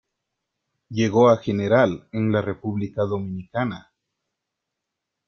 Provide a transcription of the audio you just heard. llegó a general en la República Dominicana.